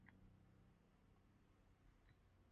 Xayol o`lgur har yoqqa opqocharkan-da